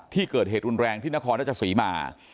ที่เกิดเหตุรุนแรงที่นครราชศรีมา